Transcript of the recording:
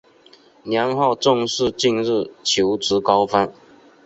年后正式进入求职高峰